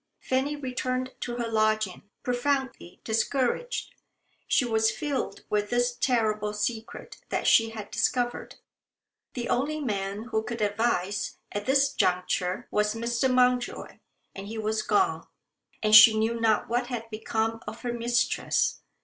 Fanny returned to her lodging profoundly discouraged. She was filled with this terrible secret that she had discovered. The only man who could advise at this juncture was Mr. Mountjoy, and he was gone. And she knew not what had become of her mistress.